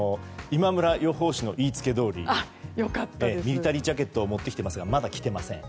今村予報士の言いつけどおりミリタリージャケットを持ってきていますがまだ着てません。